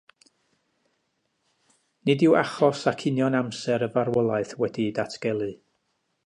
Nid yw achos ac union amser y farwolaeth wedi'u datgelu.